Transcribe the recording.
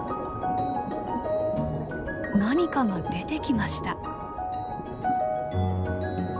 何かが出てきました。